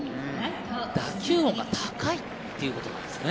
打球音が高いということですね。